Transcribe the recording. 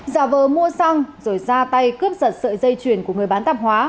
giả vờ mua xăng rồi ra tay cướp sật sợi dây chuyển của người bán tạp hóa